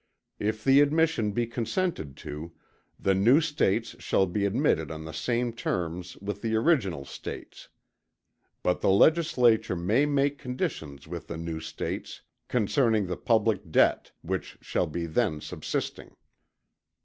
If the admission be consented to, the new States shall be admitted on the same terms with the original States. But the Legislature may make conditions with the new States concerning the public debt, which shall be then subsisting.